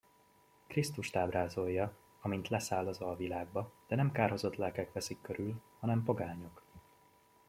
Krisztust ábrázolja, amint leszáll az alvilágba, de nem kárhozott lelkek veszik körül, hanem pogányok.